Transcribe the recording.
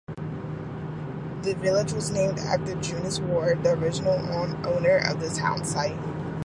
The village was named after Junius Ward, the original owner of the town site.